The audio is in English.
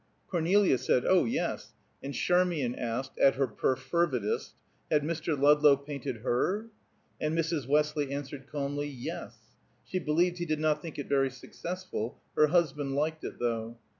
Cornelia said "Oh, yes," and Charmian asked, at her perfervidest, Had Mr. Ludlow painted her? and Mrs. Westley answered calmly. Yes; she believed he did not think it very successful; her husband liked it, though.